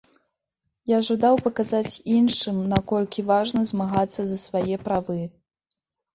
Я жадаў паказаць іншым, наколькі важна змагацца за свае правы.